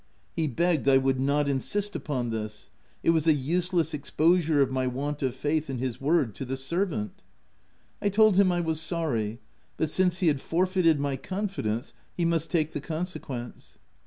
He begged I would not insist upon this : it was a useless exposure of my want of faith in his word, to the servant. I told him I was sorry, but since he had forfeited my con fidence, he must take the consequence.